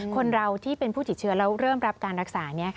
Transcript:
คนเราที่เป็นผู้ติดเชื้อแล้วเริ่มรับการรักษา